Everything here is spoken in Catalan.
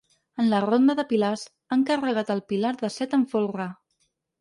En la ronda de pilars, han carregat el pilar de set amb folre.